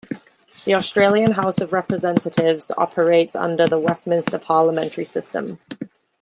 The Australian House of Representatives operates under the Westminster parliamentary system.